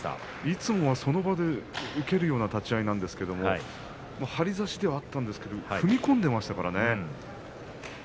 いつもその場で受けるような立ち合いなんですけれども張り差しではあったんですけど踏み込んでいましたからね。